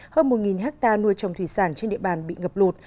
hơn một hectare nuôi trồng thủy sản trên địa bàn bị ngập lụt